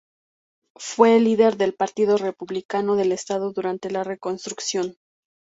Fue el líder del partido republicano del estado durante la reconstrucción.